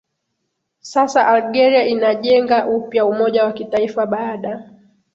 sasa Algeria inajenga upya umoja wa kitaifa baada